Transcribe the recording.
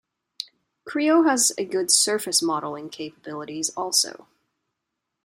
Creo has a good surface modeling capabilities also.